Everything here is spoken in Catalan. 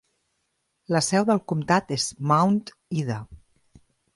La seu del comtat és Mount Ida.